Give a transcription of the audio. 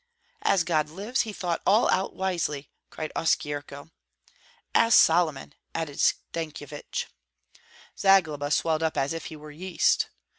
"As God lives, he thought all out wisely!" cried Oskyerko. "As Solomon!" added Stankyevich. Zagloba swelled up as if he were yeast.